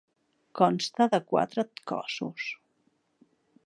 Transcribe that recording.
Consta de quatre cossos.